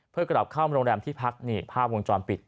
เพื่อกลับเข้าโรงแรมที่พักนี่ภาพวงจรปิด